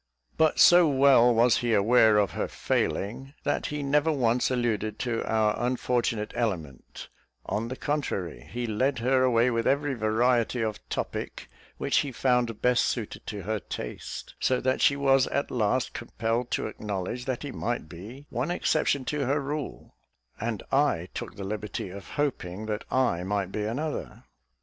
But so well was he aware of her failing, that he never once alluded to our unfortunate element; on the contrary, he led her away with every variety of topic which he found best suited to her taste: so that she was at last compelled to acknowledge that he might be one exception to her rule, and I took the liberty of hoping that I might be another.